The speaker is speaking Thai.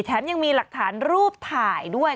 แถมยังมีหลักฐานรูปถ่ายด้วย